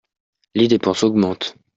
Les dépenses augmentent.